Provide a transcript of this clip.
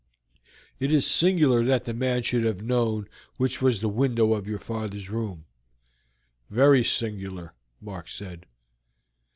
"It is singular that the man should have known which was the window of your father's room." "Very singular," Mark said.